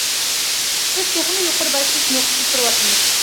بىز تېخىمۇ يۇقىرى باشلىنىش نۇقتىسىدا تۇرۇۋاتىمىز.